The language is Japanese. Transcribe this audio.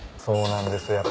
そうなんです。